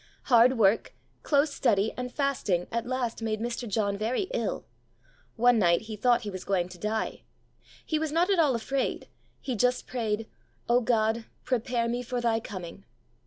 Hard work, close study, and fasting, at last made Mr. John very ill; one night he thought he was going to die. He was not at all afraid, he just prayed, "O God, prepare me for Thy coming."